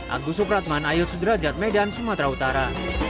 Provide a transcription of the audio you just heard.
agus supratman ayut sudrajat medan sumatera utara